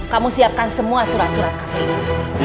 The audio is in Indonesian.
kamu bisa tuliskan semua surat surat kafe ini